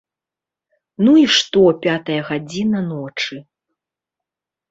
Ну і што пятая гадзіна ночы.